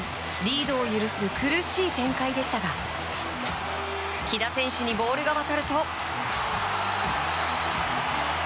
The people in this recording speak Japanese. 試合終盤、リードを許す苦しい展開でしたが木田選手にボールが渡ると。